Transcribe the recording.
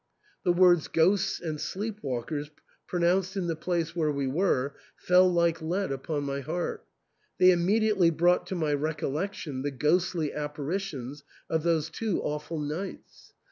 The words "ghosts" and "sleep walkers," pronounced in the place where we were, fell like lead upon my heart ; they immediately brought to my recollection the ghostly apparitions of those two awful nights.